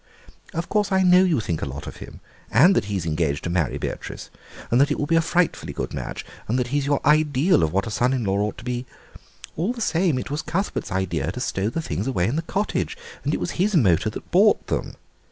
"Of course I know you think a lot of him, and that he's engaged to marry Beatrice, and that it will be a frightfully good match, and that he's your ideal of what a son in law ought to be. All the same, it was Cuthbert's idea to stow the things away in the cottage, and it was his motor that brought them.